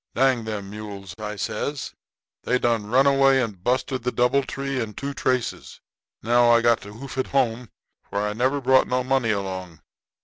'Dang them mules,' I says; 'they done run away and busted the doubletree and two traces. Now I got to hoof it home, for I never brought no money along.